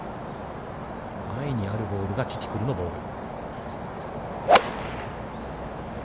前にあるボールがティティクルのボール。